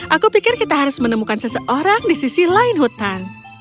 aku pikir kita harus menemukan seseorang di sisi lain hutan